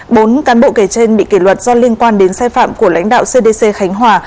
bốn cán bộ kể trên bị kỷ luật do liên quan đến sai phạm của lãnh đạo cdc khánh hòa